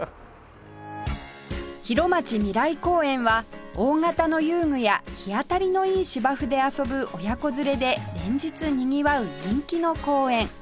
広町みらい公園は大型の遊具や日当たりのいい芝生で遊ぶ親子連れで連日にぎわう人気の公園